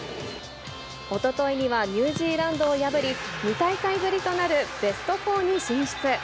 おとといにはニュージーランドを破り、２大会ぶりとなるベスト４に進出。